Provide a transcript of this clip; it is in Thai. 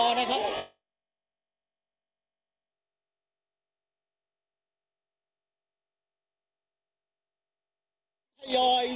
นั่นเรายากด้วยใช่ปะ